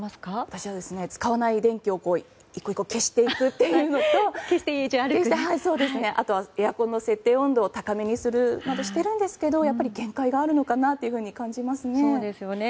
私は使わない電気を１個１個、消していくというのとあとはエアコンの設定温度を高めにするなどしていますがやっぱり限界があるのかなと感じますね。